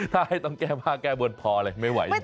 ถ้าให้ต้องแก้ผ้าแก้บนพอเลยไม่ไหว